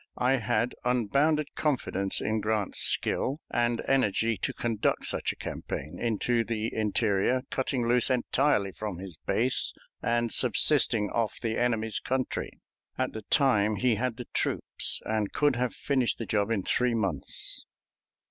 I had unbounded confidence in Grant's skill and energy to conduct such a campaign into the interior, cutting loose entirely from his base and subsisting off the enemy's country. At the time he had the troops, and could have finished the job in three months.